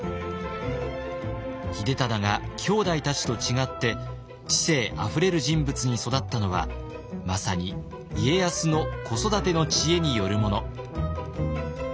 秀忠がきょうだいたちと違って知性あふれる人物に育ったのはまさに家康の子育ての知恵によるもの。